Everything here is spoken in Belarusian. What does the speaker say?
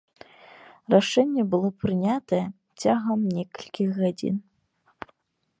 Рашэнне было прынятае цягам некалькіх гадзін.